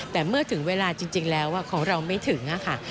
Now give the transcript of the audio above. แต่เมื่อถึงเวลาจริงแล้วของเราไม่ถึงค่ะ